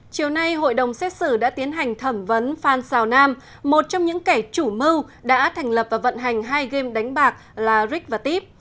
chiều nay hội đồng xét xử đã tiến hành thẩm vấn phan xào nam một trong những kẻ chủ mưu đã thành lập và vận hành hai game đánh bạc là rick và tip